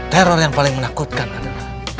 teror yang paling menakutkan adalah